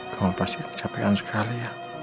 kamu pasti kecapean sekali ya